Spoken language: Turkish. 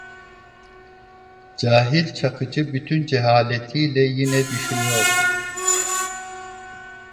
Cahil Çakıcı bütün cehaletiyle, yine düşünüyordu.